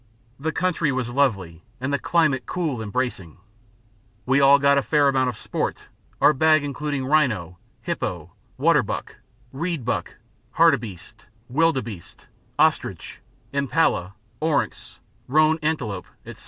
The country was lovely, and the climate cool and bracing. We all got a fair amount of sport, our bag including rhino, hippo, waterbuck, reedbuck, hartebeeste, wildebeeste, ostrich, impala, oryx, roan antelope, etc.